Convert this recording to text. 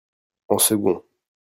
en second.